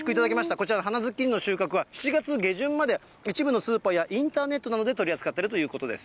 こちらの花ズッキーニの収穫は７月下旬まで、一部のスーパーやインターネットなどで取り扱っているということです。